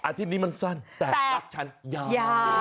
อาทิตย์นี้มันสั้นแต่รักฉันยาว